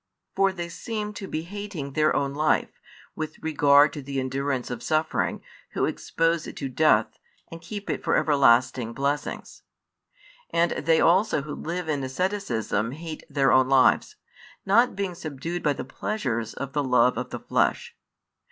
For they Seem, to be hating their own life, with regard to the |149 endurance of suffering, who expose it to death, and keep it for everlasting blessings. And they also who live in asceticism hate their own lives, not being subdued by the pleasures of the love of the flesh.